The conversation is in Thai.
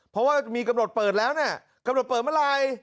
เพราะว่ามีกำหนดเปิดแล้วเนี่ยกำหนดเปิดเมื่อไหร่